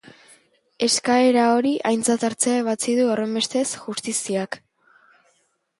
Eskaera hori aintzat hartzea ebatzi du, horrenbestez, justiziak.